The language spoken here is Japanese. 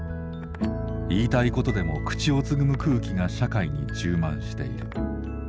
言いたいことでも口をつぐむ空気が社会に充満している。